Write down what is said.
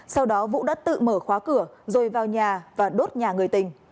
sau đó vũ đã tự mở khóa cửa rồi vào nhà và đốt nhà người tình